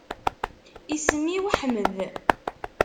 Isem-iw Ḥmed.